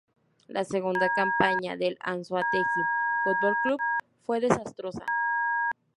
La segunda campaña del Anzoátegui Fútbol Club fue desastrosa.